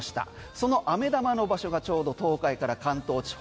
その飴玉の場所がちょうど東海から関東地方。